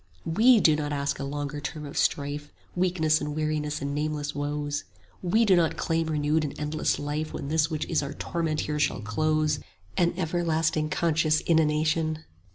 35 WE do not ask a longer term of strife, Weakness and weariness and nameless woes; We do not claim renewed and endless life When this which is our torment here shall close, An everlasting conscious inanition!